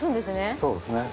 そうですね。